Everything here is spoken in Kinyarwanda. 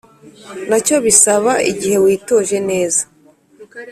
na cyo bisaba igihe witoje neza.